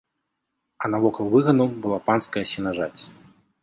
А навокал выгану была панская сенажаць.